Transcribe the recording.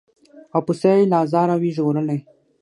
او پسه یې له آزاره وي ژغورلی